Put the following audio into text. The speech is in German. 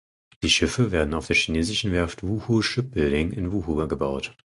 Die Schiffe werden auf der chinesischen Werft Wuhu Shipbuilding in Wuhu gebaut.